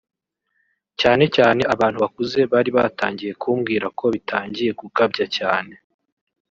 cyane cyane abantu bakuze bari batangiye kumbwira ko bitangiye gukabya cyane